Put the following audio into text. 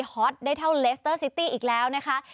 ฮอตได้เท่าเลสเตอร์ซิตี้อีกแล้วนะคะ